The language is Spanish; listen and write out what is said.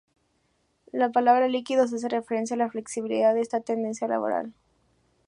La palabra líquido hace referencia a la flexibilidad de esta tendencia laboral.